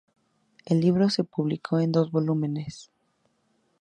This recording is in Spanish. El libro se publicó en dos volúmenes.